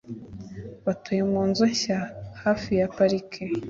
Batuye munzu nshya hafi ya parike.